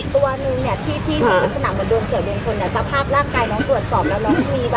อย่างจมน้ำเท่านั้นตัวอีกตัวหนึ่งเนี่ย